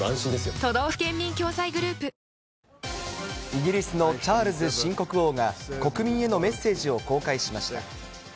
イギリスのチャールズ新国王が、国民へのメッセージを公開しました。